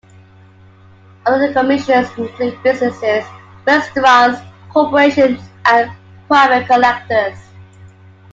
Other commissions include businesses, restaurants corporations and private collectors.